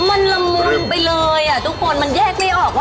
มันละมุนไปเลยอ่ะทุกคนมันแยกไม่ออกว่า